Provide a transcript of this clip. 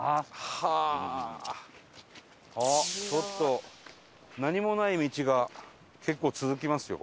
あっちょっと何もない道が結構続きますよこれ。